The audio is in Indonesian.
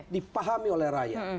dipahami oleh rakyat